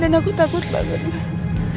dan aku takut banget mas